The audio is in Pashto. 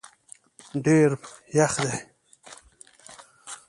ډېر یخ دی